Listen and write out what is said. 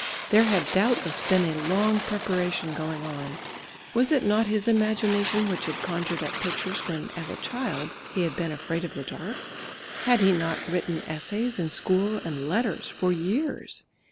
There had doubtless been a long preparation going on. Was it not his imagination, which had conjured up pictures, when as a child he had been afraid of the dark? Had he not written essays in school and letters for years?